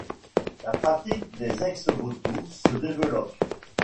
La pratique des ex-votos se développe.